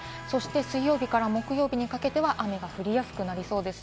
水曜日から木曜日にかけては雨が降りやすくなりそうです。